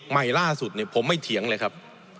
ใหม่ล่าสุดผมไม่เถียงเลยครับ